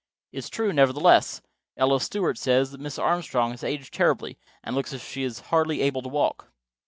"It's true, nevertheless. Ella Stewart says Mrs. Armstrong has aged terribly, and looks as if she is hardly able to walk."